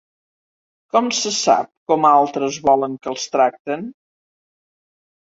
Com se sap com altres volen que els tracten?